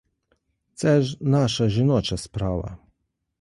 Це ж наша жіноча справа.